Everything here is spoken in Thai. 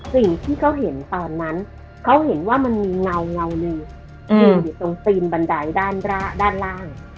สิ่งที่เขาเห็นตอนนั้นเขาเห็นว่ามันมีเงาหนึ่งอยู่ตรงตีนบันไดด้านล่าง